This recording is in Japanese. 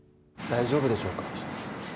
大丈夫でしょうか。